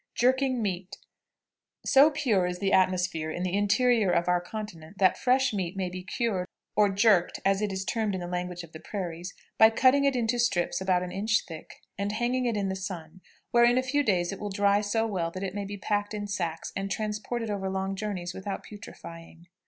JERKING MEAT. So pure is the atmosphere in the interior of our continent that fresh meat may be cured, or jerked, as it is termed in the language of the prairies, by cutting it into strips about an inch thick, and hanging it in the sun, where in a few days it will dry so well that it may be packed in sacks, and transported over long journeys without putrefying.